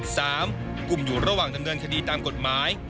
สามกลุ่มอยู่ระหว่างดำเนินคดีตามกฎหมาย